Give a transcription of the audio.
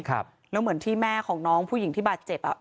แล้วเหมือนที่แม่ของน้องผู้หญิงที่บาดเจ็บอ่ะ